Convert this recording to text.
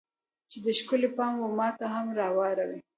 چې د ښکلو پام و ماته هم راواوړي